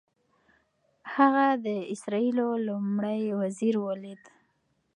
هغه د اسرائیلو لومړي وزیر ولید.